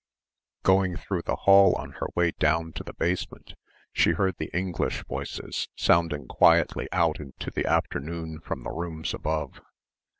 Going through the hall on her way down to the basement she heard the English voices sounding quietly out into the afternoon from the rooms above.